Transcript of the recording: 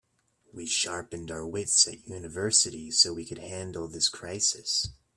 We sharpened our wits at university so we could handle this crisis.